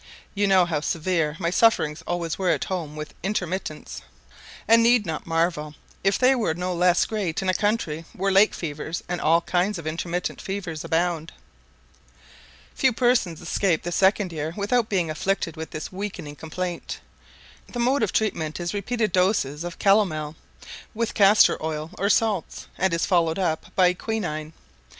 You know how severe my sufferings always were at home with intermittents, and need not marvel if they were no less great in a country where lake fevers and all kinds of intermittent fevers abound. Few persons escape the second year without being afflicted with this weakening complaint; the mode of treatment is repeated doses of calomel, with castor oil or salts, and is followed up by quinine.